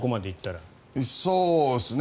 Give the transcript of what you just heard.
そうですね。